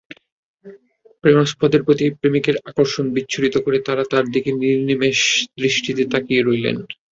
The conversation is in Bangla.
প্রেমাস্পদের প্রতি প্রেমিকের আকর্ষণ বিচ্ছুরিত করে তারা তাঁর দিকে নির্নিমেষ দৃষ্টিতে তাকিয়ে রইলেন।